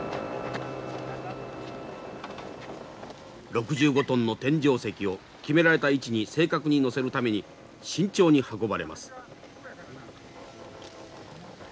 ６５トンの天井石を決められた位置に正確に載せるために慎重に運ばれます。